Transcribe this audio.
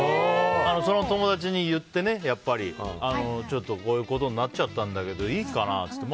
その友達に言ってやっぱりちょっとこういうことになっちゃったんだけどいいかな？って言って。